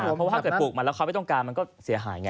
เพราะว่าถ้าเกิดปลูกมาแล้วเขาไม่ต้องการมันก็เสียหายไง